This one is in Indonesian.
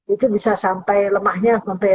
itu bisa sampai lemahnya